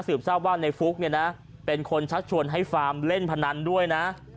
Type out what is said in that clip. ทราบว่าในฟุ๊กเนี่ยนะเป็นคนชักชวนให้ฟาร์มเล่นพนันด้วยนะ